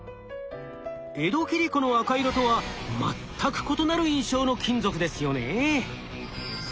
江戸切子の赤色とは全く異なる印象の金属ですよね。